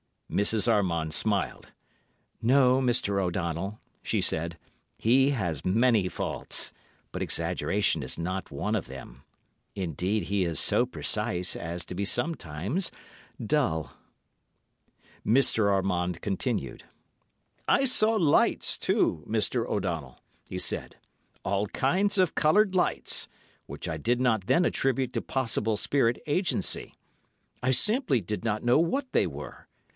Mrs. Armand smiled. "No, Mr. O'Donnell," she said, "he has many faults, but exaggeration is not one of them; indeed, he is so precise as to be sometimes dull." Mr. Armand continued: "I saw lights, too, Mr. O'Donnell," he said; "all kinds of coloured lights, which I did not then attribute to possible spirit agency. I simply did not know what they were.